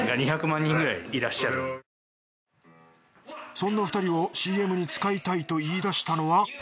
そんな２人をＣＭに使いたいと言いだしたのは。